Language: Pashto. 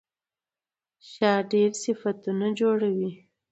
شا ډېر صفتونه جوړوي.